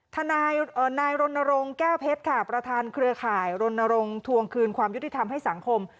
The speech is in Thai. ทนายรณรงค์แก้วเพชรค่ะประธานเครือข่ายรณรงค์ทวงคืนความยุติธรรมให้สังคม